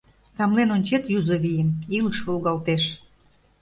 Тамлен ончет юзо вийым — Илыш волгалтеш.